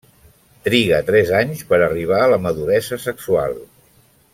Triga tres anys per arribar a la maduresa sexual.